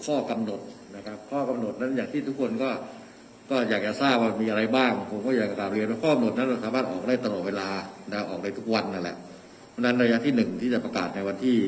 ออกในทุกวันนั่นแหละอันนั้นระยะที่หนึ่งที่จะประกาศในวันที่